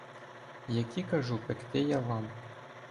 Які кажу пекти я вам.